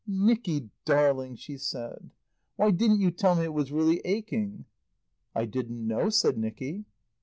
"Nicky darling," she said, "why didn't you tell me it was really aching?" "I didn't know," said Nicky.